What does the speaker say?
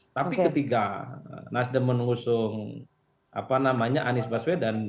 tapi ketika nasdem mengusung anies baswedan